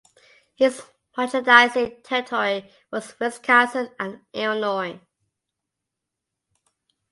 His merchandising territory was Wisconsin and Illinois.